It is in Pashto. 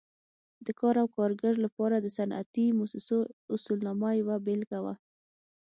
د کار او کارګر لپاره د صنعتي مؤسسو اصولنامه یوه بېلګه وه.